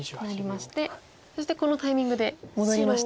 そしてこのタイミングで戻りました。